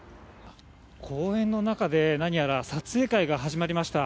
公園の中で何やら撮影会が始まりました。